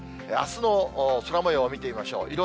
あすの空もようを見てみましょう。